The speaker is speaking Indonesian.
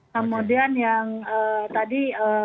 kemudian yang tadi